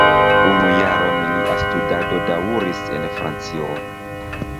Unu jaron lia studado daŭris en Francio.